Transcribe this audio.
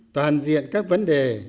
toàn diện các vấn đề